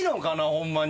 ホンマに。